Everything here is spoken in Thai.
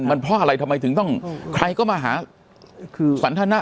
มันเพราะอะไรทำไมถึงต้องใครก็มาหาคือสันทนะ